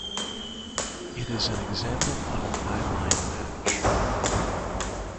It is an example of an eyeline match.